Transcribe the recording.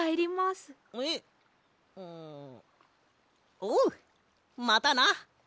おうまたな！